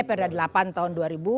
eh perda delapan tahun dua ribu tujuh